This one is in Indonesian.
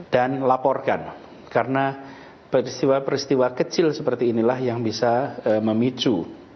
dan laporkan karena peristiwa peristiwa kecil seperti inilah yang bisa memicu